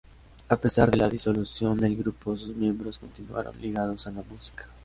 A pesar de la disolución del grupo, sus miembros continuaron ligados a la música.